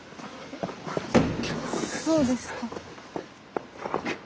そうですか。